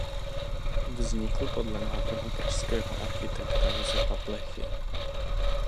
Vznikl podle návrhu pražského architekta Josefa Blechy.